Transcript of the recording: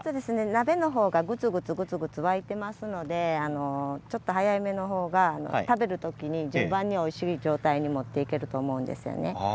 鍋がぐつぐつ沸いていますのでちょっと早めの方が食べる時に順番においしい状態に持っていけると思うんですよね。